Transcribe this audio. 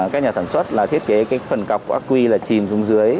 các nhà sản xuất thiết kế phần cọc của ác quy là chìm xuống dưới